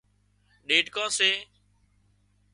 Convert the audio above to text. ڏيڏڪان سي